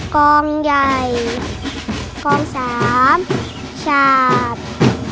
กองใหญ่กอง๓ชาติ